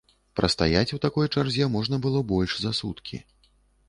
Прастаяць у такой чарзе можна было больш за суткі.